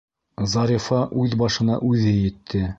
Зарифа үҙ башына үҙе етте...